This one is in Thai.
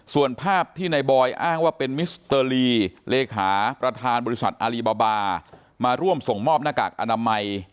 ส่วนภาพที่ในบอยอ้างว่าเป็นมิสเตอร์ลีเลขาประธานบริษัทอารีบาบาบามาร่วมส่งมอบหน้ากากอนามัย